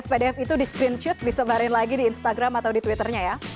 pdf itu di screenshoot disebarin lagi di instagram atau di twitternya ya